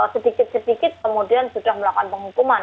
sedikit sedikit kemudian sudah melakukan penghukuman